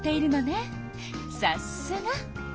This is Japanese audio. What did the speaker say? さすが！